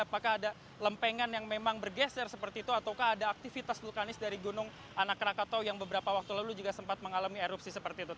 apakah ada lempengan yang memang bergeser seperti itu ataukah ada aktivitas vulkanis dari gunung anak rakatau yang beberapa waktu lalu juga sempat mengalami erupsi seperti itu